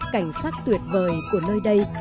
cảnh sát tuyệt vời của nơi đây